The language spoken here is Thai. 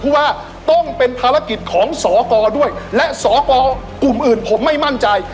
เพราะว่าต้องเป็นภารกิจของสกด้วยและสกกลุ่มอื่นผมไม่มั่นใจ